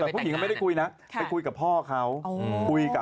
แต่ผู้หญิงเขาไม่ได้คุยนะไปคุยกับพ่อเขาคุยกับ